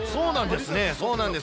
そうなんです。